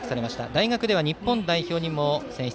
大学では日本代表にも選出。